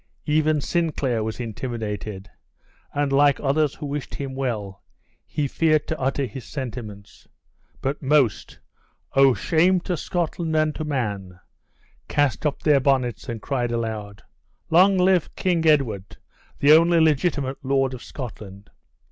Even Sinclair was intimidated, and like others who wished him well, he feared to utter his sentiments. But most, oh! shame to Scotland and to man, cast up their bonnets and cried aloud, "Long live Kind Edward, the only legitimate Lord of Scotland!"